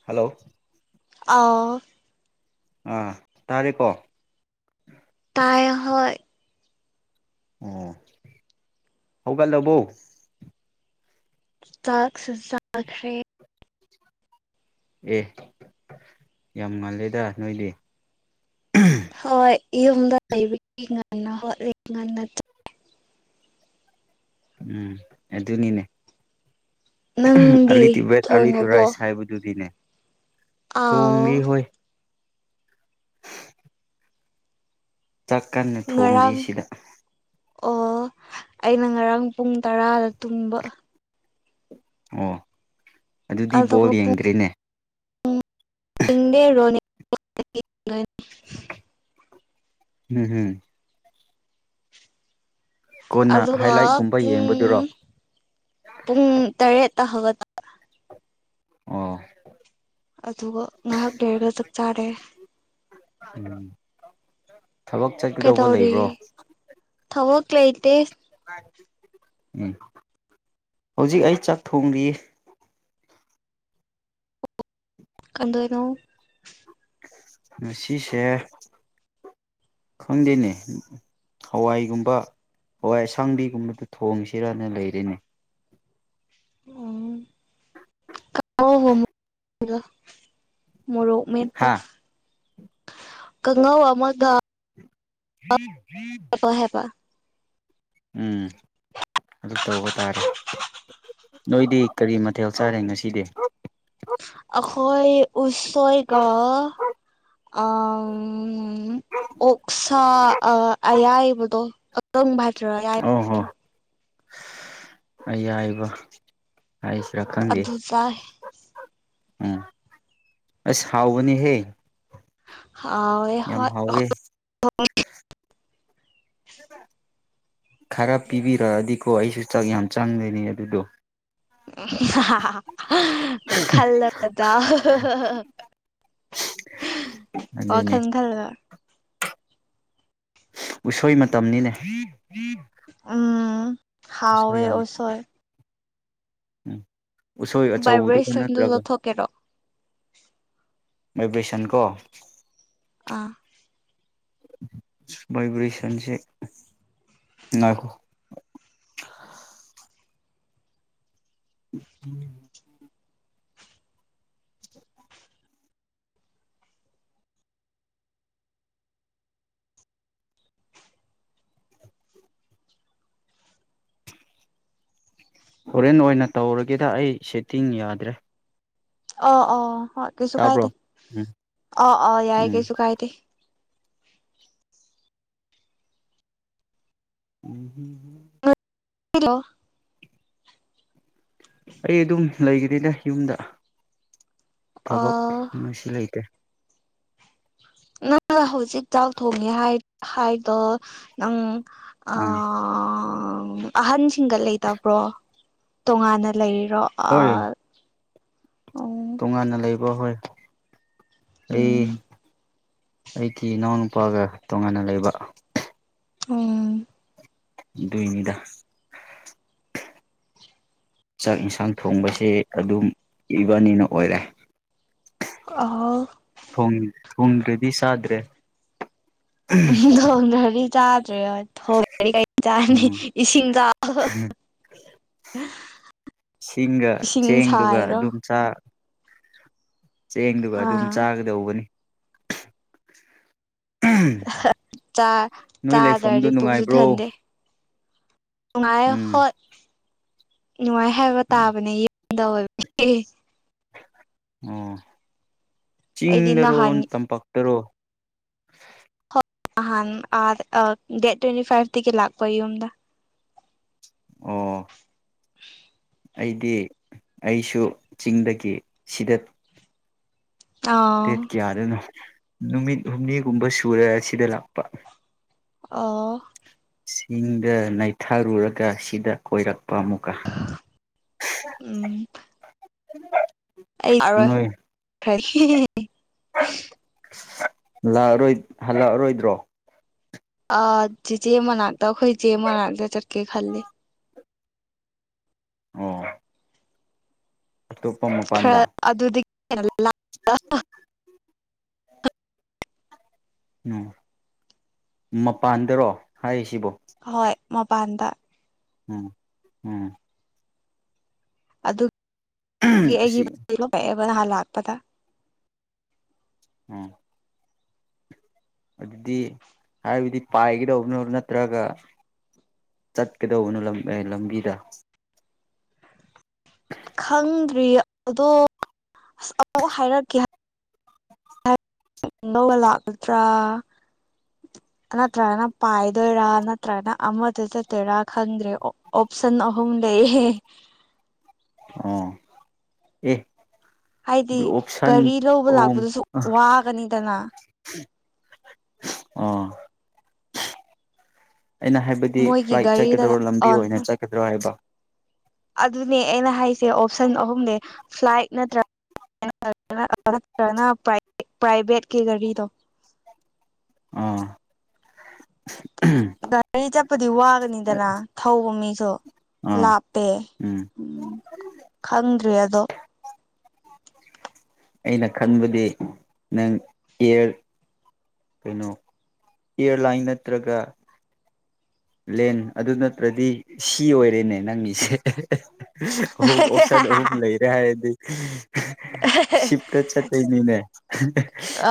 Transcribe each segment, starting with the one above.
Hello ꯑꯥꯎ ꯑ ꯇꯥꯔꯦꯀꯣ ꯇꯥꯏꯌꯦ ꯍꯣꯏ ꯑꯣ ꯍꯧꯒꯠꯂꯕꯣ ꯆꯥꯛꯁꯨ ꯆꯥꯈ꯭ꯔꯦ ꯑꯦ ꯌꯥꯝ ꯉꯜꯂꯦꯗ ꯅꯣꯏꯗꯤ ꯍꯣꯏ ꯌꯨꯝꯗ ꯂꯩꯕꯒꯤ ꯉꯟꯅ ꯍꯣꯠꯂꯤ ꯉꯟꯅ ꯎꯝ ꯑꯗꯨꯅꯤꯅꯦ ꯅꯪꯗꯤ early to bed early to ꯊꯣꯡꯉꯕꯣ ꯔꯥꯏꯁ ꯍꯥꯏꯕ ꯗꯨꯗꯤꯅꯦ ꯑꯥꯎ ꯇꯣꯡꯒꯤ ꯍꯣꯏ ꯆꯥꯛ ꯀꯟꯅ ꯊꯣꯡꯂꯤ ꯉꯔꯥꯡ ꯁꯤꯗ ꯑꯣ ꯑꯩꯅ ꯉꯔꯥꯡ ꯄꯨꯡ ꯇꯔꯥꯗ ꯇꯨꯝꯕ ꯑꯣ ꯑꯗꯨꯗꯤ ꯕꯣꯜ ꯑꯗꯨꯒ ꯄꯨꯡ ꯌꯦꯡꯗ꯭ꯔꯦꯅꯦ ꯏꯪꯗꯦ ꯔꯣꯅꯦ ꯎꯝ ꯍꯨꯝ ꯀꯣꯟꯅ ꯑꯗꯨꯒ ꯍꯥꯏꯂꯥꯏꯠꯀꯨꯝꯕ ꯄꯨꯡ ꯌꯦꯡꯕꯗꯨꯔꯣ ꯄꯨꯡ ꯇꯔꯦꯠꯇ ꯍꯧꯒꯠꯄ ꯑꯣ ꯑꯗꯨꯒ ꯉꯥꯢꯍꯥꯛ ꯂꯩꯔꯒ ꯆꯛ ꯆꯥꯔꯦ ꯎꯝ ꯊꯕꯛ ꯆꯠꯀꯗꯧꯕ ꯀꯩꯗꯧꯔꯤ ꯂꯩꯕ꯭ꯔꯣ ꯊꯕꯛ ꯂꯩꯇꯦ ꯎꯝ ꯍꯧꯖꯤꯛ ꯑꯩ ꯆꯥꯛ ꯊꯣꯡꯔꯤꯌꯦ ꯀꯟꯗꯣꯏꯔꯣ ꯉꯁꯤꯁꯦ ꯈꯪꯗꯦꯅꯦ ꯍꯋꯥꯏꯒꯨꯝꯕ ꯍꯋꯥꯏ ꯑꯁꯥꯡꯕꯤꯒꯨꯝꯕꯗꯨ ꯊꯣꯡꯁꯤꯔꯅ ꯂꯩꯔꯦꯅꯦ ꯎꯝ ꯑꯣ ꯍꯣ [unintelligible] ꯃꯣꯔꯣꯛ ꯍꯥ ꯃꯦꯠꯄꯒ ꯀꯪꯉꯧ ꯑꯃꯒ [unintelligible] ꯄꯍꯦꯄ ꯎꯝ ꯑꯗꯨ ꯇꯧꯕ ꯇꯥꯔꯦ ꯅꯣꯏꯗꯤ ꯀꯔꯤ ꯃꯊꯦꯜ ꯆꯥꯔꯦ ꯉꯁꯤꯗꯤ ꯑꯈꯣꯏ ꯎꯁꯣꯏꯒ ꯑ ꯑꯣꯛꯁꯥ ꯑꯌꯥꯏꯕꯗꯣ ꯑꯀꯪꯕ ꯍꯥꯏꯗꯔꯥ ꯑꯌꯥꯏꯕ ꯑꯣ ꯍꯣ ꯑꯌꯥꯏꯕ ꯍꯥꯏꯁꯤꯔꯥ ꯈꯪꯗꯦ ꯑꯗꯨ ꯆꯥꯏ ꯎꯝ ꯑꯁ ꯍꯥꯎꯕꯅꯤꯍꯦ ꯍꯥꯎꯋꯦ ꯍꯣꯏ [inaudible] ꯈꯔ ꯄꯤꯕꯤꯔꯛꯑꯗꯤꯀꯣ ꯑꯩꯁꯨ ꯆꯥꯛ ꯌꯥꯝ ꯆꯪꯗꯣꯏꯅꯤ ꯑꯗꯨꯗꯣ ꯈꯜꯂꯣ ꯗꯥꯗꯥ [unintelligible] ꯋꯥꯈꯜ ꯑꯗꯨꯅꯦ ꯈꯜꯂꯣ ꯎꯁꯣꯏ ꯃꯇꯝꯅꯤꯅꯦ ꯎꯝ ꯎꯁꯣꯏ ꯍꯥꯎꯋꯦ ꯌꯥꯝ ꯎꯁꯣꯏ ꯎꯁꯣꯏ ꯑꯆꯧꯕꯗꯨ ꯚꯥꯏꯕ꯭ꯔꯦꯁꯟꯗꯨ ꯅꯠꯇ꯭ꯔꯒ ꯂꯧꯊꯣꯛꯀꯦꯔꯣ ꯚꯥꯏꯕꯔ꯭ꯦ ꯁꯟ ꯀꯣ ꯑꯥ ꯚꯥꯏꯕ꯭ꯔꯑꯦꯁꯥꯟꯁꯦ ꯉꯣꯏꯈꯣ [inaudible] ꯍꯣꯔꯦꯟ ꯑꯣꯏꯅ ꯇꯧꯔꯒꯦꯗ ꯑꯩ ꯁꯦꯠꯇꯤꯡ ꯌꯥꯗ꯭ꯔꯦ ꯑꯣ ꯑꯣ ꯍꯣꯏ ꯀꯩꯁꯨ ꯀꯥꯏꯗꯦ ꯇꯥꯕ꯭ꯔꯣ ꯎꯝ ꯑꯣ ꯑꯣ ꯌꯥꯏꯌꯦ ꯎꯝ ꯀꯩꯁꯨ ꯀꯥꯏꯗꯦ [inaudible] [unintelligible] ꯑꯩ ꯑꯗꯨꯝ ꯂꯩꯒꯅꯤꯗ ꯌꯨꯝꯗ ꯊꯕꯛ ꯑ ꯉꯁꯤ ꯂꯩꯇꯦ ꯅꯪꯅ ꯍꯧꯖꯤꯛ ꯆꯥꯛ ꯊꯣꯡꯉꯦ ꯍꯥꯏ ꯍꯥꯏꯗꯣ ꯅꯪ ꯑ ꯎꯝ ꯑꯍꯟꯁꯤꯡꯒ ꯂꯩꯇꯕ꯭ꯔꯣ ꯇꯣꯉꯥꯟꯅ ꯂꯩꯔꯤꯔꯣ ꯑꯥ ꯍꯣꯏ ꯎꯝ ꯇꯣꯉꯥꯟꯅ ꯂꯩꯕ ꯍꯣꯏ ꯑꯩ ꯎꯝ ꯑꯩꯒꯤ ꯏꯅꯥꯎꯅꯨꯄꯥꯒ ꯇꯣꯉꯥꯟꯅ ꯂꯩꯕ ꯎꯝ ꯑꯗꯨꯏꯅꯤꯗ ꯆꯥꯛ ꯏꯟꯁꯥꯡ ꯊꯣꯡꯕꯁꯦ ꯑꯗꯨꯝ ꯏꯕꯅꯤꯅ ꯑꯣꯏꯔꯦ ꯑꯍꯣ ꯊꯣꯡꯉꯤꯅꯤ ꯊꯣꯡꯗ꯭ꯔꯗꯤ ꯆꯥꯗ꯭ꯔꯦ ꯊꯣꯡꯗ꯭ꯔꯗꯤ ꯆꯥꯗ꯭ꯔꯦ ꯍꯣꯏ ꯊꯣꯡ꯭ꯔꯗꯤ ꯀꯩ ꯆꯥꯅꯤ ꯎꯝ ꯏꯁꯤꯡ ꯆꯥꯎ ꯁꯤꯡꯒ ꯏꯁꯤꯡ ꯆꯦꯡꯗꯨꯒ ꯁꯥꯏꯔꯣ ꯑꯗꯨꯝ ꯆꯥ ꯆꯦꯡꯗꯨꯒ ꯑꯗꯨꯝ ꯑꯥ ꯆꯥꯒꯗꯧꯕꯅꯤ ꯅꯣꯏ ꯂꯩꯐꯝꯗꯨ ꯆꯥꯗꯔꯗꯤ ꯄꯨꯛꯁꯨ ꯅꯨꯡꯉꯥꯏꯕ꯭ꯔꯣ ꯊꯟꯗꯦ ꯅꯨꯡꯉꯥꯏ ꯎꯝ ꯍꯣꯏ ꯅꯨꯡꯉꯥꯏ ꯍꯥꯏꯕ ꯎꯝ ꯇꯥꯕꯅꯦ ꯌꯨꯝꯗ ꯑꯣꯏꯕꯒꯤ ꯑꯣ ꯑꯩꯗꯤ ꯆꯤꯡꯗꯔꯣ ꯅꯍꯥꯟ ꯇꯝꯄꯥꯛꯇꯔꯣ ꯑꯍꯥꯟ ꯗꯦꯠ ꯇ꯭ꯋꯦꯟꯤꯇꯤ ꯐꯥꯏꯚꯇꯗꯒꯤ ꯂꯥꯛꯄ ꯌꯨꯝꯗ ꯑꯣ ꯑꯩꯗꯤ ꯑꯩꯁꯨ ꯆꯤꯡꯗꯒꯤ ꯁꯤꯗ ꯑ ꯗꯦꯠ ꯀꯌꯥꯗꯅꯣ ꯅꯨꯃꯤꯠ ꯍꯨꯝꯅꯤꯒꯨꯝꯕ ꯁꯨꯔꯦ ꯁꯤꯗ ꯂꯥꯛꯄ ꯑꯥ ꯆꯤꯡꯗ ꯅꯩꯊꯥꯔꯨꯔꯒ ꯁꯤꯗ ꯀꯣꯏꯔꯛꯄ ꯑꯃꯨꯛ ꯑꯥ ꯎꯝ [unintelligible] ꯑꯩ ꯑꯔꯣꯏ [inaudible] ꯂꯥꯛꯑꯔꯣꯏ ꯍꯜꯂꯛꯑꯔꯣꯏꯗ꯭ꯔꯣ꯫ ꯑꯥ ꯆꯦꯆꯦ ꯃꯅꯥꯛꯇ ꯈꯣꯏ ꯏꯆꯦ ꯃꯅꯥꯛꯇ ꯆꯠꯀꯦ ꯈꯜꯂꯤ꯫ ꯑꯣ꯫ ꯑꯗꯨ ꯈꯔ ꯑꯗꯨꯗ [inaudible] ꯂꯥ ꯃꯄꯥꯟꯗꯔꯣ ꯍꯥꯏꯔꯤꯁꯤꯕꯣ꯫ ꯍꯣꯏ ꯃꯄꯥꯟꯗ꯫ ꯎꯝ ꯎꯝ ꯑꯗꯨ ꯒꯤ ꯑꯩꯒꯤ ꯑꯁꯤ [unintelligible] ꯑꯦꯕ ꯅꯍꯥꯟ ꯂꯥꯛꯄꯗ꯫ ꯎꯝ ꯑꯗꯨꯗꯤ ꯍꯥꯏꯕꯗꯤ ꯄꯥꯏꯒꯗꯧꯕꯔꫭ ꯅꯠꯇ꯭ꯔꯒ꯫ ꯆꯠꯀꯗꯧꯕꯅꯣ ꯂꯝ ꯑꯦ ꯂꯝꯕꯤꯗ꯫ [inaudible] ꯈꯪꯗ꯭ꯔꯤ ꯑꯗꯣ ꯑꯁ ꯑꯃꯨꯛ ꯍꯥꯏꯔꯛꯀꯦ ꯍꯥꯏ꯫ [inaudible] ꯂꯥꯛꯀꯗ꯭ꯔꯥ꯫ ꯅꯠꯇ꯭ꯔꯒꯅ ꯄꯥꯏꯗꯣꯏꯔꯥ ꯅꯠꯇ꯭ꯔꯒꯅ ꯑꯃꯗ ꯆꯠꯇꯣꯏꯔꯥ ꯈꯪꯗ꯭ꯔꯦ ꯑꯣ꯫ ꯑꯣꯞꯁꯟ ꯑꯍꯨꯝ ꯂꯩꯌꯦ꯫ ꯑꯣ ꯑꯦ꯫ ꯍꯥꯏꯗꯤ ꯑꯣꯞꯁꯟ ꯒꯥꯔꯤ ꯂꯧꯕ ꯑꯍꯨꯝ ꯂꯥꯛꯄꯗꯨꯁꯨ ꯋꯥꯒꯅꯤꯗꯅ꯫ ꯑꫭ꯫ ꯑꯩꯅ ꯍꯥꯏꯕꯗꯤ ꯃꯣꯏꯒꯤ ꯐ꯭ꯂꯥꯏꯠ ꯒꯥꯔꯤꯗ ꯆꯠꯀꯗ꯭ꯔꯣ ꯂꯝꯕꯤ ꯑꯣꯟ ꯑꯣꯏꯅ ꯆꯠꯀꯗ꯭ꯔꯣ ꯍꯥꯏꯕ꯫ ꯑꯗꯨꯅꯦ ꯑꯩꯅ ꯍꯥꯏꯁꯦ ꯑꯣꯞꯁꯟ ꯑꯍꯨꯝꯅꯦ ꯐ꯭ꯂꯥꯏꯠ ꯅꯠꯇ꯭ꯔ [unintelligible] ꯄ꯭ꯔꯥꯏꯚꯦꯠꯀꯤ ꯒꯥꯔꯤꯗꯣ꯫ ꯑꯥ꯫ ꯒꯥꯔꯤ ꯆꯠꯄꯗꯤ ꯋꯥꯒꯅꯤꯗꯅ ꯊꯧꯕ ꯃꯤꯁꯨ ꯑꯥ ꯂꯥꯞ ꯄꯦ ꯎꯝ ꯈꯪꯗ꯭ꯔꯦ ꯑꯗꯣ꯫ ꯑꯩꯅ ꯈꯟꯕꯗꯤ ꯅꯪ ꯏꯌꯦꯔ ꯀꯩꯅꯣ꯫ ꯏꯌꯥꯔ ꯂꯥꯏꯟ ꯅꯠꯇ꯭ꯔꯒ ꯂꯦꯟ ꯑꯗꯨ ꯅꯠꯇ꯭ꯔꯗꯤ ꯁꯤ ꯑꯣꯏꯔꯦꯅꯦ ꯅꯪꯒꯤꯁꯦ [unintelligible] ꯑꯍꯨꯝ ꯑꯣꯞꯁꯟ ꯑꯍꯨꯝ ꯂꯩꯔꯦ ꯍꯥꯏꯔꯗꯤ꯫ [unintelligible] ꯁꯤꯞꯇ ꯆꯠꯇꫭꯏꯅꯤꯅꯦ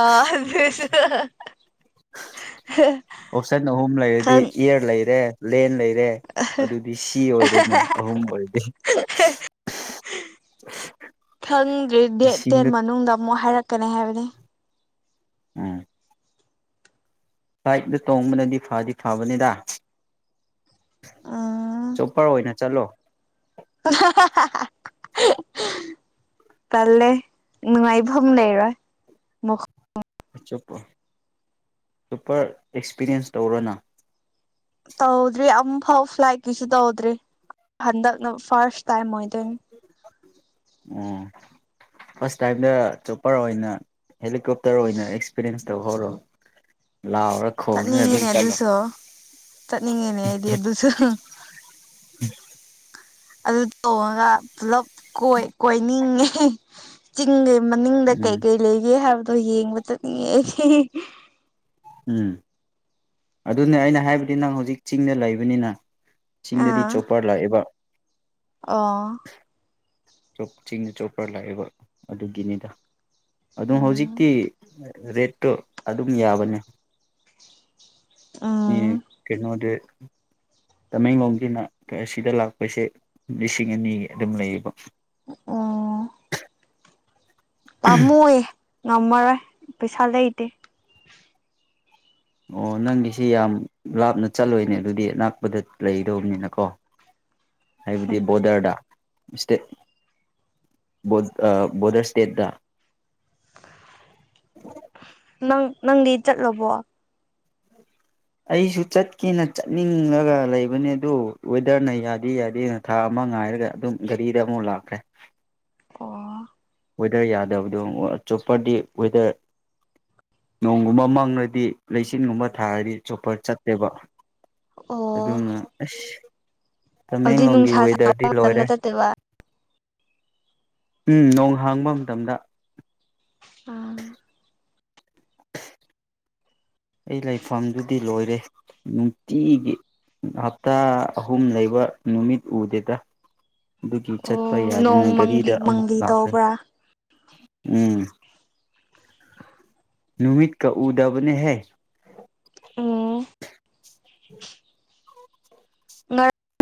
ꯑ ꯑꯗꯨꯁꯨ ꯑꯣꯞꯁꯟ ꯑꯍꯨꯝ ꯂꯩꯔꯗꯤ ꯈꯪ ꯏꯌꯦꯔ ꯂꯩꯔꯦ ꯂꯦꯟ ꯂꯩꯔꯦ꯫ ꯑꯗꯨꯗꯤ ꯁꯤ ꯑꯣꯏꯔꯦꯅꯦ ꯑꯍꯨꯝ ꯑꯣꯏꯔꯗꯤ [unintelligible] ꯈꯪꯗ꯭ꯔꯤ ꯗꯦꯠ ꯇꯦꯟ ꯏꯁꯤꯡꯗ ꯃꯅꯨꯡꯗ ꯑꯃꯨꯛ ꯍꯥꯏꯔꯛꯀꯅꯤ ꯍꯥꯏꯕꯅꯦ꯫ ꯎꯝ ꯐ꯭ꯂꯥꯏꯠꯗ ꯇꯣꯡꯕꯅꯗꯤ ꯐꯗꯤ ꯐꯕꯅꯤꯗ꯫ ꯎꯝ ꯆꫭꯞꯄꯔ ꯑꯣꯏꯅ ꯆꯠꯂꯣ꯫ [unintelligible] ꯇꯜꯂꯦ ꯅꯨꯡꯉꯥꯏꯐꯝ ꯂꯩꯔꯣꯏ ꯃꯈ ꯑꯆꯄ ꯆꫭꯄꯔ ꯑꯦꯛꯁꯄꯤꯔꯤꯌꯦꯟꯁ ꯇꯧꯔꫭꯅ꯫ ꯇꯧꯗ꯭ꯔꯤ ꯑꯃꯝꯐꯥꯎ ꯐ꯭ꯂꯥꯏꯠꯀꯤꯁꯨ ꯇꯧꯗ꯭ꯔꯤ ꯍꯟꯗꯛꯅ ꯐꯥꯔꯁ ꯇꯥꯏꯝ ꯑꯣꯏꯗꯣꯏꯅꯤ꯫ ꯑꯣ ꯐꯥꯔꯁ ꯇꯥꯏꯝꯗ ꯆꯣꯄꯔ ꯑꯣꯏꯅ ꯍꯦꯂꯤꯀꯣꯞꯇꯔ ꯑꯣꯏꯅ ꯑꯦꯛꯁꯄꯤꯔꯤꯌꯦꯟꯁ ꯇꯧꯍꯧꯔꯣ ꯂꯥꯎꯔ ꯈꯣꯡꯂ ꯑꯗꯨꯝ ꯆꯠꯂꯣ ꯆꯠꯅꯤꯡꯉꯦꯅꯦ ꯑꯩꯗꯤ ꯑꯗꯨꯁꯨ [inaudible] ꯑꯗꯨ ꯇꯣꯡꯉꯒ ꯄꯨꯂꯞ ꯀꯣꯏ ꯀꯣꯏꯅꯤꯡꯉꯦ ꯆꯤꯡꯒꯤ ꯃꯅꯤꯡꯗ ꯎꯝ ꯀꯩꯀꯩ ꯂꯩꯒꯦ ꯍꯥꯏꯕꯗꯣ ꯌꯦꯡꯕ ꯆꯠꯅꯤꯡꯉꯦ ꯑꯩꯗꯤ ꯎꯝ ꯑꯗꯨꯅꯦ ꯑꯩꯅ ꯍꯥꯏꯕꯗꯤ ꯅꯪ ꯍꯧꯖꯤꯛ ꯆꯤꯡꯗ ꯂꯩꯕꯅꯤꯅ ꯆꯤꯡꯗꯗꯤ ꯑꯥ ꯆꯣꯄꯔ ꯂꯥꯛꯑꯦꯕ ꯑꯣ ꯆꯤꯡꯅ ꯆꯣꯞꯄꯔ ꯂꯥꯛꯑꯦꯕ ꯑꯗꯨꯒꯤꯅꯤꯗ ꯑꯗꯨꯝ ꯍꯧꯖꯤꯛꯇꯤ ꯎꯝ ꯔꯦꯠꯇꯣ ꯑꯗꯨꯝ ꯌꯥꯕꯅꯦ ꯃꯤ ꯎꯝ ꯀꯩꯅꯣꯗꯤ ꯇꯃꯦꯡꯂꯣꯡꯒꯤꯅ ꯁꯤꯗ ꯂꯥꯛꯄꯁꯦ ꯂꯤꯁꯤꯡ ꯑꯅꯤꯒꯤ ꯑꯗꯨꯝ ꯂꯩꯌꯦꯕ ꯑꯣ ꯄꯥꯝꯃꯨꯏ ꯉꯝꯃꯔꯣꯏ ꯄꯩꯁꯥ ꯂꯩꯇꯦ ꯑꯣ ꯅꯪꯒꯤꯁꯤ ꯌꯥꯝ ꯂꯥꯞꯅ ꯆꯠꯂꯣꯏꯅꯦ ꯑꯗꯨꯗꯤ ꯑꯅꯛꯄꯗ ꯂꯩꯗꯧꯕꯅꯤꯅꯀꯣ [inaudible] ꯍꯥꯏꯕꯗꯤ ꯕꯣꯗꯔꯗ ꯏꯁꯇꯦꯠ ꯑꯥ ꯕꯣꯔꯗꯔ ꯏꯁꯇꯦꯠꯇ ꯅꯪ ꯅꯪꯗꯤ ꯆꯠꯂꯕꯣ ꯑꯩꯁꯨ ꯆꯠꯀꯦꯅ ꯆꯠꯅꯤꯡꯂꯒ ꯂꯩꯕꯅꯦ ꯑꯗꯨ ꯋꯦꯗꯔꯅ ꯌꯥꯗꯦ ꯌꯥꯗꯦꯅ ꯊꯥ ꯑꯃ ꯉꯥꯏꯔꯒ ꯑꯗꯨꯝ ꯒꯥꯔꯤꯗ ꯑꯃꯨꯛ ꯂꯥꯛꯈ꯭ꯔꯦ ꯑꯣ ꯋꯦꯗꯔ ꯌꯥꯗꯕꯗꯣ ꯑꯥ ꯆꯣꯞꯄꯔꯗꯤ ꯋꯦꯗꯔ ꯅꯣꯡꯒꯨꯝꯕ ꯃꯪꯉꯗꯤ ꯂꯩꯆꯤꯟꯒꯨꯝꯕ ꯊꯥꯔꯗꯤ ꯆꯣꯄꯔ ꯆꯠꯇꯦꯕ ꯑꯣ ꯑꯗꯨꯅ ꯑꯁ ꯑꯗꯨꯗꯤ ꯇꯃꯦꯡꯂꯣꯡꯒꯤ ꯅꯨꯡꯁꯥ ꯁꯥꯕ ꯋꯦꯗꯔꯗꯤ ꯂꯣꯏꯔꯦ ꯃꯇꯝꯗ ꯆꯠꯇꯣꯏꯕ ꯎꯝ ꯅꯣꯡ ꯍꯥꯡꯕ ꯃꯇꯝꯗ ꯑꯥ ꯑꯩ ꯂꯩꯐꯝꯗꯨꯗꯤ ꯂꯣꯏꯔꯦ ꯅꯨꯡꯇꯤꯒꯤ ꯍꯞꯇꯥ ꯑꯍꯨꯝ ꯂꯩꯕ ꯅꯨꯃꯤꯠ ꯎꯗꯦꯗ ꯑꯗꯨꯒꯤ ꯑꯣ ꯆꯠꯄ ꯌꯥꯗꯨꯅ ꯅꯣꯡ ꯃꯪꯂꯤ ꯒꯥꯔꯤꯗ ꯑꯃꯨꯛ ꯃꯪꯂꯤ ꯂꯥꯛꯈ꯭ꯔꯦ ꯇꯧꯕ꯭ꯔꯥ ꯎꯝ ꯅꯨꯃꯤꯠ ꯀ ꯎꯗꯥꯕꯅꯦ ꯍꯦ ꯑꯣ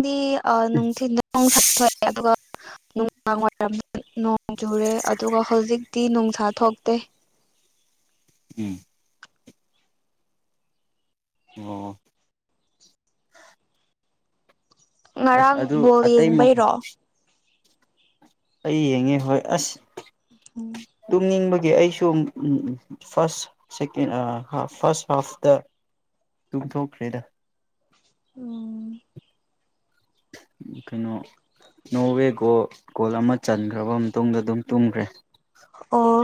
ꯗꯤ ꯑꯥ ꯅꯨꯡꯊꯤꯟꯗ ꯅꯨꯡꯁ ꯊꯣꯛꯑꯦ ꯑꯗꯨꯒ ꯅꯨꯡꯗꯥꯡ ꯋꯥꯏꯔꯝꯗ ꯅꯣꯡ ꯆꯨꯔꯦ ꯑꯗꯨꯒ ꯍꯧꯖꯤꯛꯇꯤ ꯅꯨꯡꯁꯥ ꯊꯣꯛꯇꯦ ꯎꯝ ꯑꯣ ꯑꯁ ꯉꯔꯥꯡ ꯑꯗꯨ ꯕꯣꯜ ꯑꯇꯩ ꯌꯦꯡꯕꯩꯔꯣ ꯑꯩ ꯌꯦꯡꯉꯦ ꯍꯣꯏ ꯑꯁ ꯎꯝ ꯇꯨꯝꯅꯤꯡꯕꯒꯤ ꯑꯩꯁꯨ ꯎꯝ ꯎꯝ ꯐꯥꯔꯁ ꯁꯦꯀꯦꯟ ꯍꯥ ꯐꯥꯔꯁ ꯍꯥꯐꯇ ꯇꯨꯝꯊꯣꯛꯈ꯭ꯔꯦꯗ ꯎꯝ ꯀꯩꯅꯣ ꯅꯣ ꯋꯦ ꯒꯣꯜ ꯒꯣꯜ ꯑꯃ ꯆꯟꯈ꯭ꯔꯕ ꯃꯇꯨꯡꯗ ꯑꯗꯨꯝ ꯇꯨꯝꯈ꯭ꯔꯦ ꯑꯣ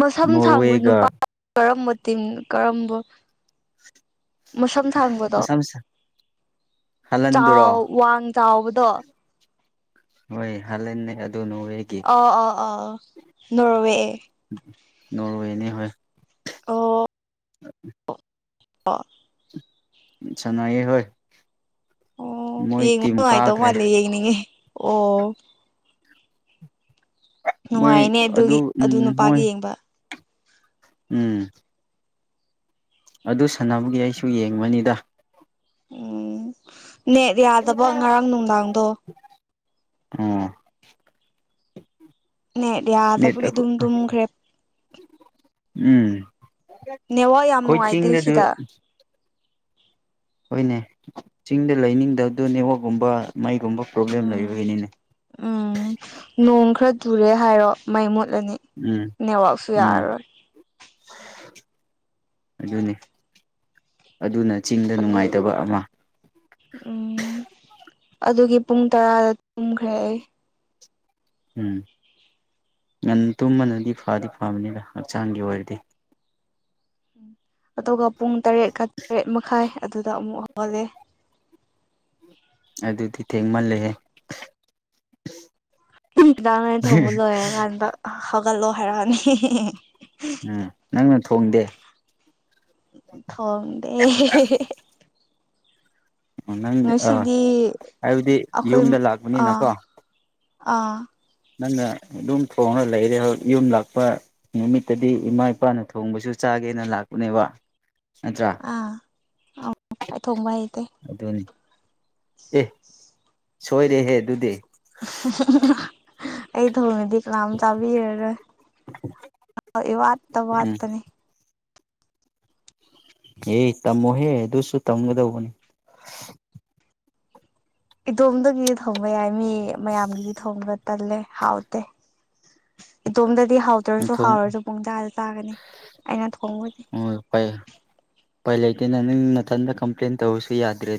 ꯃꯁꯝ ꯁꯥꯡꯕ ꯅꯨꯄꯥ ꯅꯣꯔꯋꯦꯒ ꯀꯔꯝꯕ ꯇꯤꯝ ꯀꯔꯝꯕ ꯃꯁꯝ ꯊꯥꯡꯕꯗꯣ ꯃꯁꯥ ꯃꯁꯥ ꯆꯥꯎ ꯍꯥꯜꯍꯟꯗꯨꯔꯣ ꯋꯥꯡ ꯆꯥꯎꯕꯗꯣ ꯍꯣꯏ ꯍꯥꯂꯥꯟꯗꯅꯦ ꯑꯗꯨꯅ ꯑꯣꯏ [inaudible] ꯑꯣ ꯑꯣ ꯑꯣ ꯅꯣꯔꯋꯦ ꯅꯣꯔꯋꯦꯅꯤ ꯍꯣꯏ ꯑꯣ [unintelligible] ꯑꯥ ꯁꯥꯟꯅꯩꯌꯦ ꯍꯣꯏ ꯑꯣ ꯃꯣꯏ ꯌꯦꯡꯕ ꯇꯤꯝ ꯅꯨꯡꯉꯥꯏꯗꯧ ꯀꯥꯈ꯭ꯔꯦ ꯃꯥꯜꯂꯦ ꯌꯦꯡꯅꯤꯡꯉꯦ ꯑꯣ ꯃꯣꯏ ꯅꯨꯡꯉꯥꯏꯅꯦ ꯑꯗꯨꯒꯤ ꯑꯗꯨ ꯎꯝ ꯃꯣꯏ ꯅꯨꯄꯥꯒꯤ ꯌꯦꯡꯕ ꯎꯝ ꯑꯗꯨ ꯁꯥꯟꯅꯕꯒꯤ ꯑꯩꯁꯨ ꯌꯦꯡꯕꯅꯤꯗ ꯎꯝ ꯅꯦꯠ ꯌꯥꯗꯕ ꯉꯔꯥꯡ ꯅꯨꯡꯗꯥꯡꯗꯣ ꯎꯝ ꯅꯦꯠ ꯅꯦꯠ ꯌꯥꯗꯕꯒꯤ ꯑꯗꯨꯝ ꯇꯨꯝꯈ꯭ꯔꯦ ꯎꯝ ꯅꯦꯠꯋꯥꯛ ꯌꯥꯝ ꯑꯩꯈꯣꯏ ꯅꯨꯡꯉꯥꯏꯇꯦ ꯆꯤꯡꯗꯁꯨ ꯁꯤꯗ ꯍꯣꯏꯅꯦ ꯆꯤꯡꯗ ꯂꯩꯅꯤꯡꯗꯕꯗꯨ ꯅꯦꯠꯋꯥꯛꯒꯨꯝꯕ ꯃꯩꯒꯨꯝꯕ ꯄ꯭ꯔꯣꯕ꯭ꯂꯦꯝ ꯎꯝ ꯂꯩꯕꯩꯅꯤꯅꯦ ꯎꯝ ꯅꯣꯡ ꯈꯔ ꯆꯨꯔꯦ ꯍꯥꯏꯔꯣ ꯃꯩ ꯃꯨꯠꯂꯅꯤ ꯎꯝ ꯅꯦꯠꯋꯥꯛꯁꯨ ꯎꯝ ꯌꯥꯔꯔꯣꯏ ꯑꯗꯨꯅꯤ ꯑꯗꯨꯅ ꯆꯤꯡꯗ ꯅꯨꯡꯉꯥꯏꯇꯕ ꯑꯃ ꯎꯝ ꯑꯗꯨꯒꯤ ꯄꯨꯡ ꯇꯔꯥꯗ ꯇꯨꯝꯈ꯭ꯔꯦ ꯑꯩ ꯎꯝ ꯉꯟꯅ ꯇꯨꯝꯕꯅꯗꯤ ꯐꯗꯤ ꯐꯕꯅꯤꯗ ꯍꯛꯆꯥꯡꯒꯤ ꯑꯣꯏꯔꯗꯤ ꯑꯗꯨꯒ ꯄꯨꯡ ꯇꯔꯦꯠꯀ ꯇꯔꯦꯠ ꯃꯈꯥꯏ ꯑꯗꯨꯗ ꯑꯃꯨꯛ ꯍꯧꯒꯠꯂꯦ ꯑꯗꯨꯗꯤ ꯊꯦꯡꯃꯜꯂꯦꯍꯦ [inaudible] ꯊꯣꯡꯕ ꯂꯣꯏꯔꯀꯥꯟꯗ ꯍꯧꯒꯠꯂꯣ ꯍꯥꯏꯔꯛꯑꯅꯤ ꯎꯝ ꯅꯪꯅ ꯊꯣꯡꯗꯦ ꯊꯣꯡꯗꯦ ꯅꯪ ꯑꯥ ꯉꯁꯤꯗꯤ ꯍꯥꯏꯕꯗꯤ ꯑꯩꯈꯣꯏ ꯌꯨꯝꯗ ꯑꯥ ꯂꯥꯛꯄꯅꯤꯅꯀꯣ ꯑꯥ ꯅꯪꯅ ꯑꯗꯨꯝ ꯊꯣꯡꯔ ꯂꯩꯔꯦ ꯌꯨꯝ ꯂꯥꯛꯄ ꯅꯨꯃꯤꯠꯇꯗꯤ ꯏꯃꯥ ꯏꯄꯥꯅ ꯊꯣꯡꯕꯁꯨ ꯆꯥꯒꯦꯅ ꯂꯥꯛꯄꯅꯦꯕ ꯅꯠꯇ꯭ꯔꯥ ꯑꯥ ꯑꯩ ꯊꯣꯡꯕ ꯍꯩꯇꯦ ꯑꯗꯨꯅꯤ ꯑꯦ ꯁꯣꯏꯔꯦꯍꯦ ꯑꯗꯨꯗꯤ ꯑꯩ ꯊꯣꯡꯉꯗꯤ ꯀꯅꯥꯝ ꯆꯥꯕꯤꯔꯔꯣꯏ ꯏꯋꯥꯠꯇ ꯎꯝ ꯋꯥꯠꯄꯅꯦ ꯑꯦ ꯇꯝꯃꯣꯍꯦ ꯑꯗꯨꯁꯨ ꯇꯝꯒꯗꯧꯕꯅꯤ ꯏꯗꯣꯝꯗꯒꯤꯗꯤ ꯊꯣꯡꯕ ꯌꯥꯏ ꯃꯤ ꯃꯌꯥꯝꯒꯤꯗꯤ ꯊꯣꯡꯕ ꯇꯜꯂꯦ ꯍꯥꯎꯇꯦ ꯏꯇꯣꯝꯗꯗꯤ ꯍꯥꯎ ꯍꯥꯎꯇ꯭ꯔꯁꯨ ꯅꯊꯣꯡ ꯍꯥꯎꯔꯁꯨ ꯄꯨꯡ ꯆꯥꯗ ꯆꯥꯒꯅꯤ ꯑꯩꯅ ꯊꯣꯡꯕꯗꯤ ꯍꯣꯏ ꯎꯄꯥꯏ ꯂꯩꯇꯦꯅꯦ ꯅꯪ ꯅꯊꯟꯗ ꯀꯝꯄ꯭ꯂꯦꯟ ꯇꯧꯔꯁꯨ ꯌꯥꯗ꯭ꯔꯦ